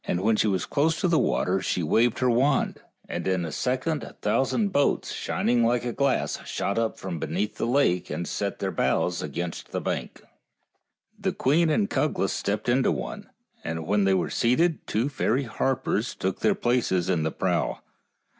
When she was close to the water she waved her wand, and in a second a thousand boats, shining like glass, shot up from beneath the lake and set their bows against the bank. The queen and Cuglas stepped into one, and when they were seated two fairy harpers took their places in the prow.